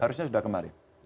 harusnya sudah kemarin